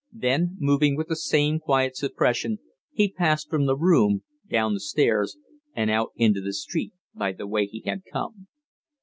Then, moving with the same quiet suppression, he passed from the room, down the stairs, and out into the street by the way he had come.